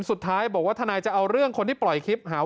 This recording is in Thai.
สุดท้ายบอกว่าทนายจะเอาเรื่องคนที่ปล่อยคลิปหาว่า